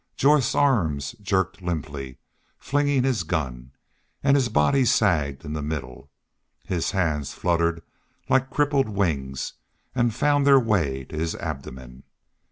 Jorth's arm jerked limply, flinging his gun. And his body sagged in the middle. His hands fluttered like crippled wings and found their way to his abdomen.